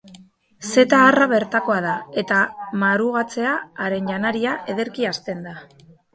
Zeta-harra bertakoa da, eta marugatzea, haren janaria, ederki hazten da.